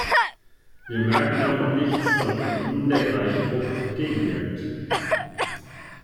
Wir merken davon nichts, weil von innen der gleiche Druck entgegenwirkt.